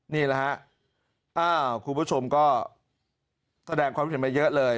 นี่แหละครับคุณผู้ชมก็แสดงความผิดมาเยอะเลย